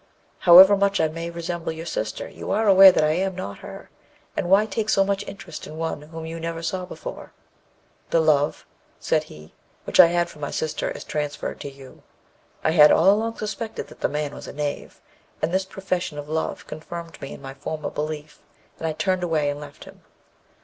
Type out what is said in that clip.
'However much I may resemble your sister, you are aware that I am not her, and why take so much interest in one whom you never saw before?' 'The love,' said he, 'which I had for my sister is transferred to you.' I had all along suspected that the man was a knave, and this profession of love confirmed me in my former belief, and I turned away and left him.